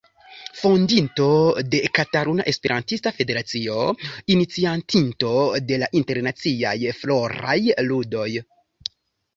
Fondinto de Kataluna Esperantista Federacio, iniciatinto de la Internaciaj Floraj Ludoj.